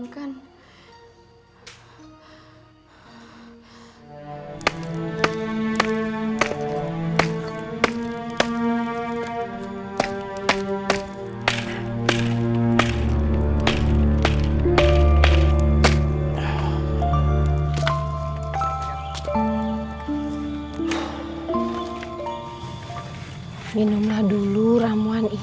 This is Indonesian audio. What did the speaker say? jangan lupa itu kata aku